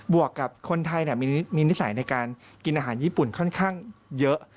วกกับคนไทยมีนิสัยในการกินอาหารญี่ปุ่นค่อนข้างเยอะ